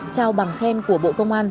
trao bằng khen của bộ công an